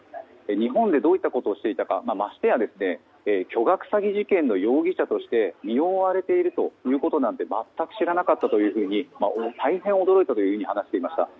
日本でどういったことをしていたかましてや巨額詐欺事件の容疑者として身を追われていることなんて全く知らなかったと大変驚いたと話していました。